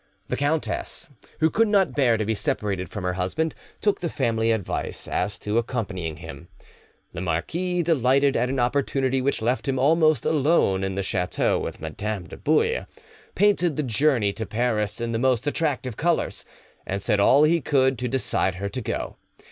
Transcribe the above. The countess, who could not bear to be separated from her husband, took the family advice as to accompanying him. The marquis, delighted at an opportunity which left him almost alone in the chateau with Madame de Bouille, painted the journey to Paris in the most attractive colours, and said all he could to decide her to go.